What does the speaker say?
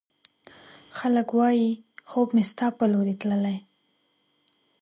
خلګ وايي، خوب مې ستا په لورې تللی